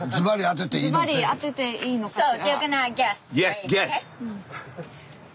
ズバリ当てていいのかしら？